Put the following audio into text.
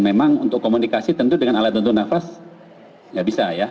memang untuk komunikasi tentu dengan alat bantu nafas ya bisa ya